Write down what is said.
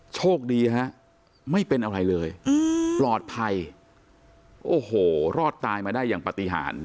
โชคดีฮะไม่เป็นอะไรเลยปลอดภัยโอ้โหรอดตายมาได้อย่างปฏิหาร